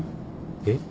えっ？